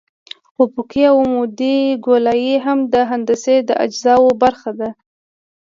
افقي او عمودي ګولایي هم د هندسي اجزاوو برخه ده